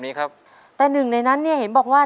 ต้นไม้ประจำจังหวัดระยองการครับ